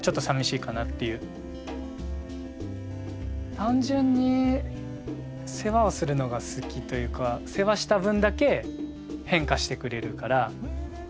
単純に世話をするのが好きというか世話した分だけ変化してくれるから楽しいですよね。